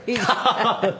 ハハハハ。